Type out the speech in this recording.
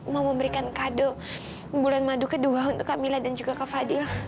mau memberikan kado bulan madu kedua untuk kak mila dan juga kak fadil